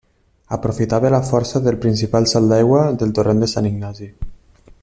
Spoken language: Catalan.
Aprofitava la força del principal salt d'aigua del torrent de Sant Ignasi.